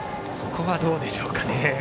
ここはどうでしょうかね。